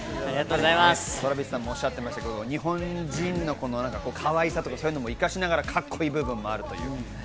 トラヴィスさんもおっしゃっていましたが、日本人のかわいさとか、そういうのも生かしながらカッコいい部分もあるという。